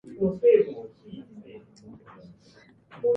ヴェストマンランド県の県都はヴェステロースである